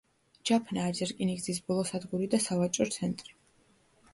ჯაფნა არის რკინიგზის ბოლო სადგური და სავაჭრო ცენტრი.